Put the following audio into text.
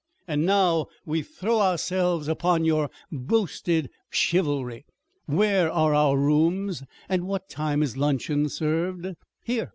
Here and now we throw ourselves upon your boasted chivalry. Where are our rooms, and what time is luncheon served.'" "Here!